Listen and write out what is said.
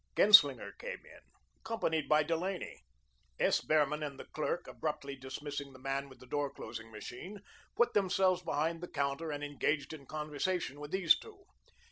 Genslinger came in, accompanied by Delaney. S. Behrman and the clerk, abruptly dismissing the man with the door closing machine, put themselves behind the counter and engaged in conversation with these two.